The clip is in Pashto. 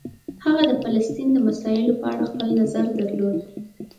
هغه د فلسطین د مسایلو په اړه خپل نظر درلود.